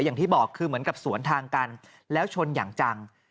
อย่างที่บอกคือเหมือนกับสวนทางกันแล้วชนอย่างจัง